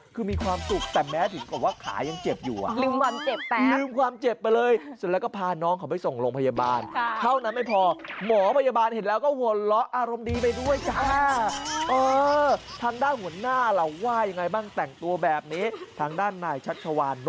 เคียนไม่ทันผู้ชม